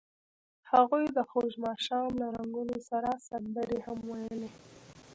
هغوی د خوږ ماښام له رنګونو سره سندرې هم ویلې.